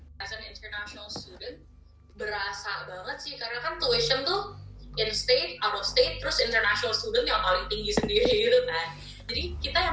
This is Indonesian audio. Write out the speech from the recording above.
sebagai pelajar internasional berasa banget sih karena kan tuisian tuh di negara